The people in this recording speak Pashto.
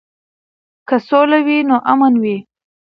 که سوله وي نو امان وي.